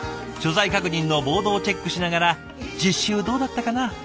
所在確認のボードをチェックしながら「実習どうだったかな？」